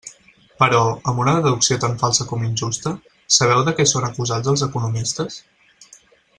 Però, amb una deducció tan falsa com injusta, ¿sabeu de què són acusats els economistes?